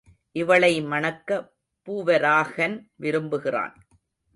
இவளை மணக்க பூவராகன் விரும்புகிறான்.